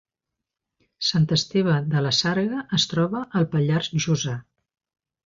Sant Esteve de la Sarga es troba al Pallars Jussà